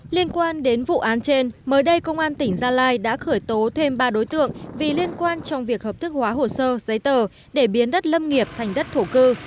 liên quan đến vụ án trên mới đây công an tỉnh gia lai đã khởi tố thêm ba đối tượng vì liên quan trong việc hợp thức hóa hồ sơ giấy tờ để biến đất lâm nghiệp thành đất thổ cư